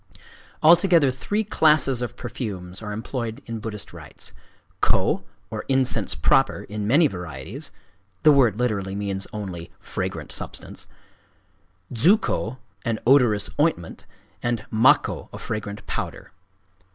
Altogether three classes of perfumes are employed in Buddhist rites: kō, or incense proper, in many varieties—(the word literally means only "fragrant substance");—dzukō, an odorous ointment; and makkō, a fragrant powder.